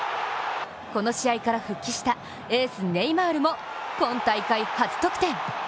この試合から復帰したエース・ネイマールも今大会初得点。